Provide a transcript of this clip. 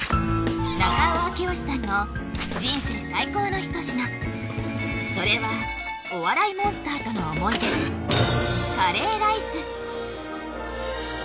中尾明慶さんの人生最高の一品それはお笑いモンスターとの思い出カレーライス